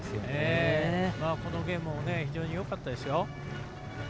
このゲームも非常によかったです。